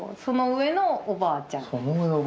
その上のおばあちゃん。